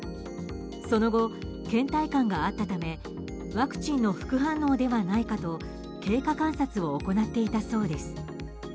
その後、倦怠感があったためワクチンの副反応ではないかと経過観察を行っていたそうです。